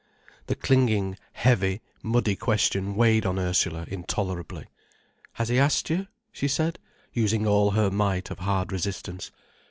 The clinging, heavy, muddy question weighed on Ursula intolerably. "Has he asked you?" she said, using all her might of hard resistance.